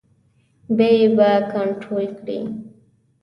بیې به کنټرول کړي.